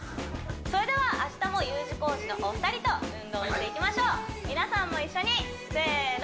それでは明日もＵ字工事のお二人と運動していきましょう皆さんも一緒にせーの！